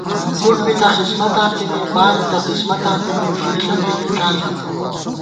وُٹ بِتہ خِسمَتاں تېمے، بانِتہ قِسمَتاں تېمے، ݫُوئیݪہ بی ہېڄان ݪېتہ